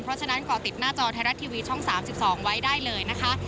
เพราะฉะนั้นก่อติดหน้าจอไทยรัฐทีวีช่อง๓๒ไว้ได้เลยนะคะ